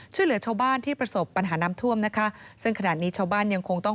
ช่วยเหลือชาวบ้านที่ประสบปัญหาน้ำท่วมนะคะซึ่งขณะนี้ชาวบ้านยังคงต้อง